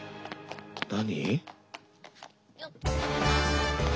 何？